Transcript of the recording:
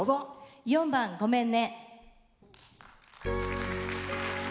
４番「ごめんね」。